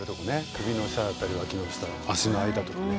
首の下だったり脇の下脚の間とかね。